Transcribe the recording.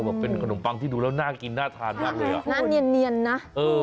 แบบเป็นขนมปังที่ดูแล้วน่ากินน่าทานมากเลยอ่ะน่าเนียนนะเออ